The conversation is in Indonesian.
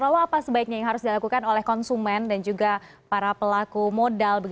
lalu apa sebaiknya yang harus dilakukan oleh konsumen dan juga para pelaku modal